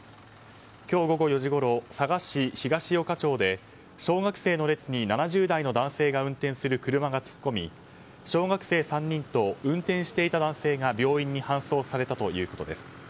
今日午後４時ごろ佐賀市東与賀町で小学生の列に７０代の男性が運転する車が突っ込み小学生３人と運転していた男性が病院に搬送されたということです。